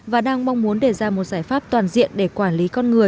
và đang mong muốn đề ra một giải pháp toàn diện để quản lý con người